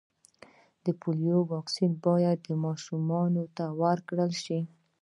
د پولیو واکسین باید و ماشومانو ته ورکړل سي.